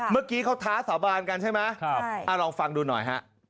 เมื่อกี้เขาท้าสาบานกันใช่ไหมลองฟังดูหน่อยฮะ